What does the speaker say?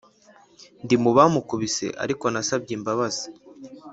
Ndi mubamukubise ariko nasabye imbabazi